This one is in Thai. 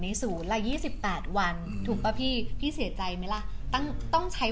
ศูนย์ละ๒๘วันถูกป่ะพี่พี่เสียใจไหมล่ะตั้งต้องใช้